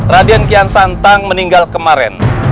raden kian santang meninggal kemarin